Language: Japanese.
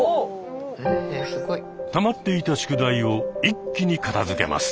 たまっていた宿題を一気に片づけます。